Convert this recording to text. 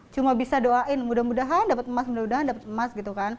cuma bisa doain mudah mudahan dapet emas mudah mudahan dapet emas